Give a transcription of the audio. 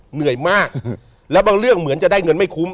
เหนื่อยมากแล้วบางเรื่องเหมือนจะได้เงินไม่คุ้ม